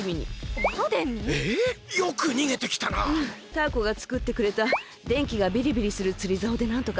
タアコがつくってくれたでんきがビリビリするつりざおでなんとか。